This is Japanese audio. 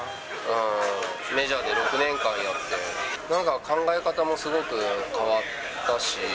メジャーで６年間やって、なんか考え方もすごく変わったし。